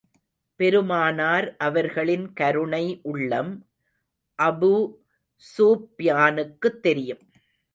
பெருமானார் அவர்களின் கருணை உள்ளம் அபூ ஸுப்யானுக்குத் தெரியும்.